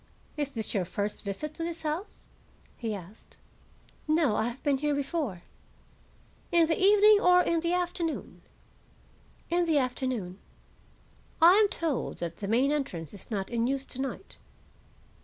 "Is this your first visit to this house?" he asked. "No; I have been here before." "In the evening, or in the afternoon?" "In the afternoon." "I am told that the main entrance is not in use to night."